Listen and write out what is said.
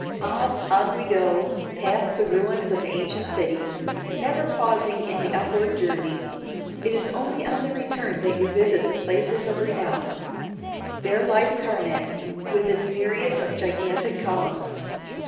On, on we go, past the ruins of ancient cities, never pausing in the upward journey: it is only on the return that you visit the places of renown. There lies Karnac, with its myriads of gigantic columns.